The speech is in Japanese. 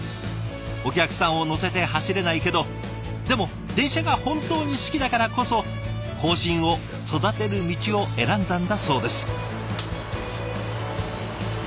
お客さんを乗せて走れないけどでも電車が本当に好きだからこそ後進を育てる道を選んだんだそうです。